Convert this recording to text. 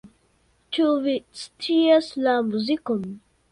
Ĉu vi scias la muzikon?